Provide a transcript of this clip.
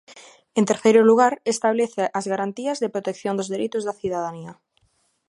En terceiro lugar, establece as garantías de protección dos dereitos da cidadanía.